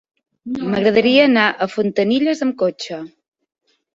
M'agradaria anar a Fontanilles amb cotxe.